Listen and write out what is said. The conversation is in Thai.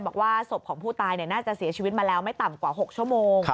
บอกว่าศพของผู้ตายน่าจะเสียชีวิตมาแล้วไม่ต่ำกว่า๖ชั่วโมง